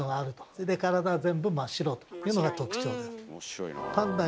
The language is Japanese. それで体が全部真っ白というのが特徴であると。